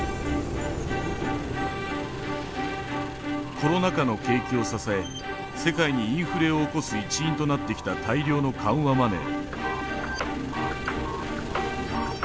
コロナ禍の景気を支え世界にインフレを起こす一因となってきた大量の緩和マネー。